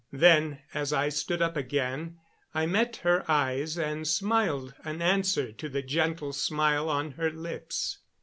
Then, as I stood up again, I met her eyes and smiled an answer to the gentle smile on her lips.